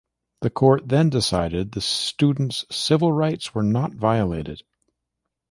The court then decided the students' civil rights were not violated.